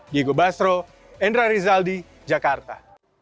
diego basro endra rizal di jakarta